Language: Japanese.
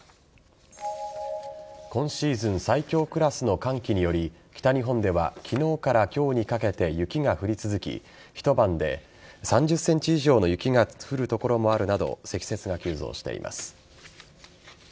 今シーズン最強クラスの寒気により、北日本では昨日から今日にかけて雪が降り続き一晩で３０ｃｍ以上の雪が降る所もあるなど積雪が急増しています。